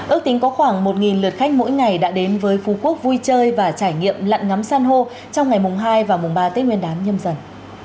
ước tính có khoảng một lượt khách mỗi ngày đã đến với phú quốc vui chơi và trải nghiệm lặn ngắm san hô trong ngày mùng hai và mùng ba tết nguyên đán nhâm dần